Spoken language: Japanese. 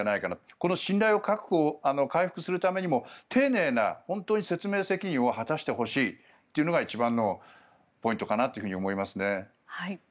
この信頼を回復するためにも丁寧な説明責任を果たしてほしいというのが一番のポイントかなと思います。